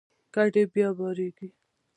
کډې بیا بارېږي.